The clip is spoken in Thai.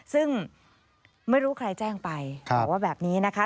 ซึ่งไม่รู้ใครแจ้งไปบอกว่าแบบนี้นะคะ